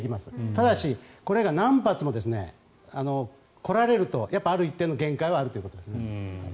ただしこれが何発も来られるとある一定の限界はあるということですね。